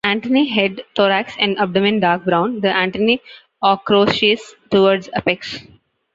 Antennae, head, thorax and abdomen dark brown; the antennae ochraceous towards apex.